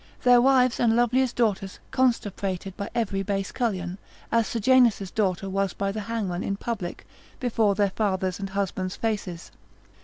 Their wives and loveliest daughters constuprated by every base cullion, as Sejanus' daughter was by the hangman in public, before their fathers and husbands' faces.